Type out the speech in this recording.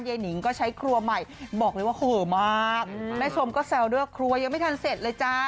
หนิงก็ใช้ครัวใหม่บอกเลยว่าเหอะมากแม่ชมก็แซวด้วยครัวยังไม่ทันเสร็จเลยจ้า